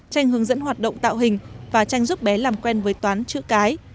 tranh hướng dẫn hoạt động tạo hình và tranh giúp bé làm quen với toán chữ cái